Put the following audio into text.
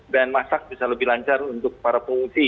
dan masak bisa lebih lancar untuk para pengungsi